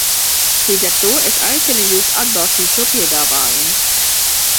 Līdz ar to es aicinu jūs atbalstīt šo piedāvājumu.